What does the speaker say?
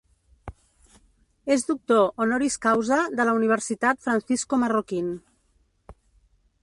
És doctor "honoris causa" de la Universitat Francisco Marroquín.